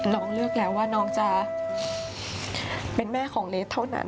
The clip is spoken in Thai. เราเลือกแล้วว่าน้องจะเป็นแม่ของเลสเท่านั้น